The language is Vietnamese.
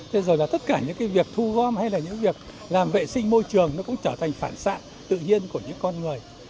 thế rồi là tất cả những cái việc thu gom hay là những việc làm vệ sinh môi trường nó cũng trở thành phản xạ tự nhiên của những con người